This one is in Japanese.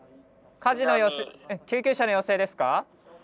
火事の救急車の要請ですか？